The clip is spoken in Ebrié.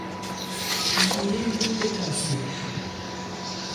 Bhye ń ho léka sɛ ?